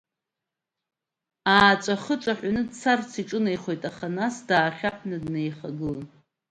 Ааҵәа ахы ҿаҳәаны дцарц иҿынеихоит, аха нас даахьаҳәны днеихагылан.